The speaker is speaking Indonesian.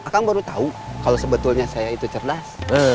kang baru tahu kalau sebetulnya saya itu cerdas